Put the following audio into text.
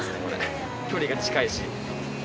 これ距離が近いし。